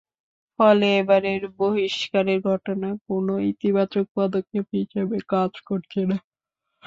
ফলে এবারের বহিষ্কারের ঘটনা কোনো ইতিবাচক পদক্ষেপ হিসেবে কাজ করছে না।